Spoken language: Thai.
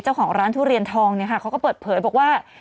เจ้าของร้านทุเรียนทองเขาก็เปิดเผยบอกว่า